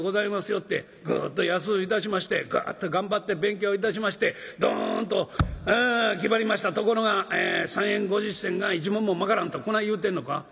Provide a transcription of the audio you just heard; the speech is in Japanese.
よってぐっと安ういたしましてぐっと頑張って勉強いたしましてどんと気張りましたところが３円５０銭が１文もまからんとこない言うてんのか？」。